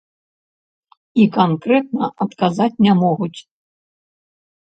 І канкрэтна адказаць не могуць.